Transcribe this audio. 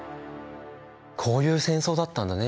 こういう戦争だったんだね